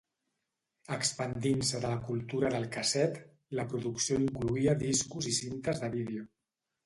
Expandint-se de la cultura del casset, la producció incloïa discos i cintes de vídeo.